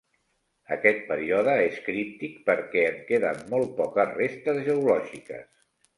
Aquest període és críptic perquè en queden molt poques restes geològiques.